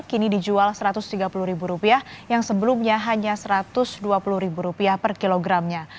kini dijual rp satu ratus tiga puluh yang sebelumnya hanya rp satu ratus dua puluh per kilogramnya